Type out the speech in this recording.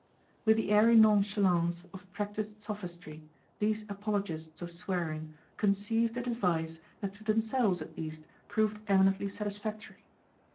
With the airy nonchalance of practised sophistry, these apologists of swearing conceived a device that to themselves at least proved eminently satisfactory.